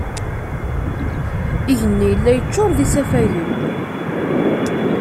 Igenni yella yeccuṛ d isafagen.